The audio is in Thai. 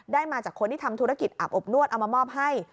มาจากคนที่ทำธุรกิจอาบอบนวดเอามามอบให้